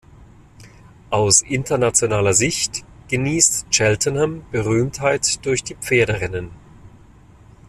Aus internationaler Sicht genießt Cheltenham Berühmtheit durch die Pferderennen.